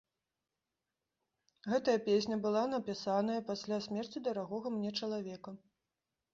Гэтая песня была напісаная пасля смерці дарагога мне чалавека.